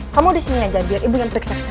kamu di sini saja biar ibu yang periksa ke sana